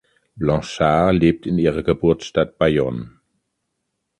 Blanchard lebt in ihrer Geburtsstadt Bayonne.